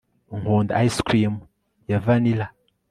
nkunda ice cream ya vanilla